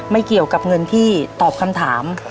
ไม่เกี่ยวกับเงินที่ตอบคำถาม